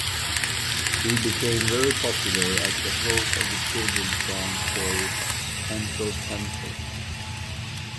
He became very popular as the host of a children's songs show "Entel-tentel".